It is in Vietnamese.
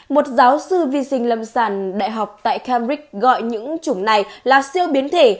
một giáo sư vi sinh lâm sản đại học tại cambridge gọi những chủng này là siêu biến thể